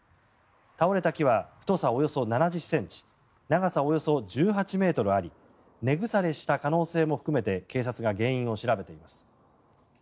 倒れた木は太さおよそ７０ｃｍ長さおよそ１８ｍあり根腐れした可能性も含めて警察が原因を調べています。